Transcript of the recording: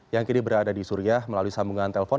yang kini berada di suriah melalui sambungan telpon